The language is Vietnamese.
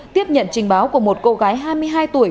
tiếp nhận trình báo của một cô gái hai mươi hai tuổi